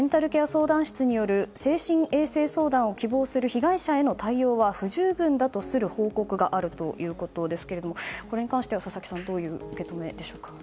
相談室による精神衛生相談を希望する被害者への対応は不十分だとする報告があるということですがこれに関しては、佐々木さんどんな受け止めでしょうか。